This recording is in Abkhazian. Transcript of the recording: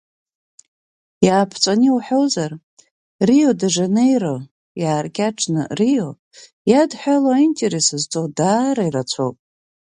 Иааԥҵәаны иуҳәозар, Рио де Жанеиро иааркьаҿны Рио, иадҳәало, аинтересс зҵоу даара ирацәоуп.